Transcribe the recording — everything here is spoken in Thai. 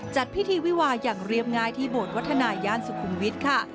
จัดพิธีวิวาอย่างเรียบง่ายที่โบสถวัฒนาย่านสุขุมวิทย์ค่ะ